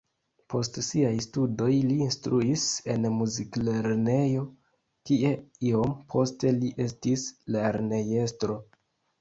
Post siaj studoj li instruis en muziklernejo, kie iom poste li estis lernejestro.